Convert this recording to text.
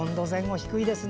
低いですね。